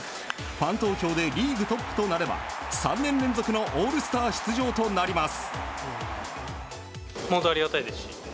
ファン投票でリーグトップとなれば３年連続のオールスター出場となります。